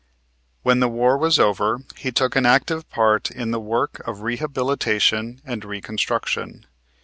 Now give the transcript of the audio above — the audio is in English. When the war was over he took an active part in the work of rehabilitation and Reconstruction.